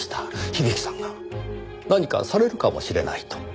響さんが何かされるかもしれないと。